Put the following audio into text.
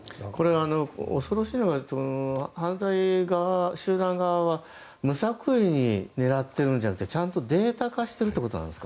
恐ろしいのが犯罪集団側は無作為に狙っているんじゃなくてデータ化しているんですか？